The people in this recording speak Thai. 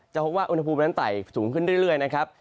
พบว่าอุณหภูมินั้นไต่สูงขึ้นเรื่อยนะครับ